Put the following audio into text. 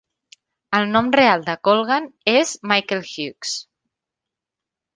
El nom real de Colgan es Michael Hughes.